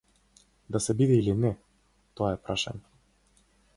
Да се биде или не, тоа е прашање.